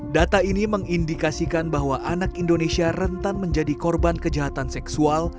data ini mengindikasikan bahwa anak indonesia rentan menjadi korban kejahatan seksual